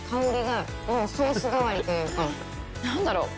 何だろう？